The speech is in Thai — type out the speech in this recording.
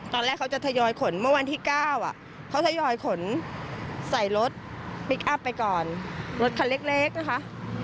ตอนแรกเขาจะทยอยขนเมื่อวันที่๙เขาทยอยขนใส่รถพลิกอัพไปก่อนรถคันเล็กนะคะ